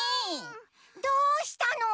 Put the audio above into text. どうしたの？